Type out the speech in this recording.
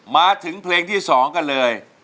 มาถึงเพลงที่๒กันเลย